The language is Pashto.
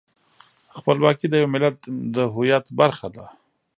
خپلواکي د یو ملت د هویت برخه ده.